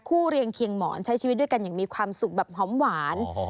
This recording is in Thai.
เรียงเคียงหมอนใช้ชีวิตด้วยกันอย่างมีความสุขแบบหอมหวาน